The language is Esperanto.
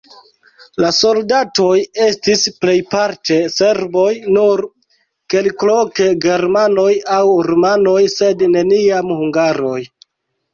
La soldatoj estis plejparte serboj, nur kelkloke germanoj aŭ rumanoj, sed neniam hungaroj.